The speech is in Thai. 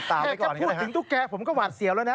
แต่ก็พูดถึงตุ๊กแกผมก็หวาดเสียวแล้วนะ